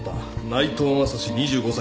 内藤政史２５歳。